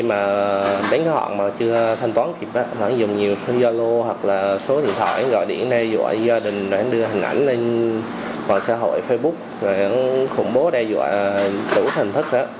và đến họ mà chưa thanh toán kịp họ dùng nhiều giao lô hoặc số điện thoại gọi điện đe dọa gia đình đưa hình ảnh lên xã hội facebook khủng bố đe dọa đủ thành thức